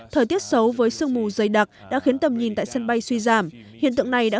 thời tiết xấu với sương mù dày đặc đã khiến tầm nhìn tại sân bay suy giảm hiện tượng này đã